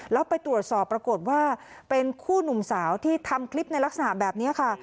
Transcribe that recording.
แล้วไปตรวจสอบปรากฏว่าเป็นคู่หนุ่มสาวที่ทำคลิปในลักษณะแบบนี้ค่ะ